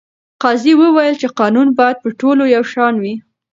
قاضي وویل چې قانون باید په ټولو یو شان وي.